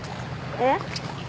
えっ？